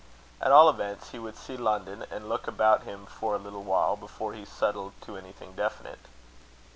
At all events, he would see London, and look about him for a little while, before he settled to anything definite.